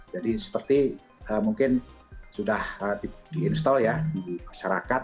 jadi seperti mungkin sudah di install ya di masyarakat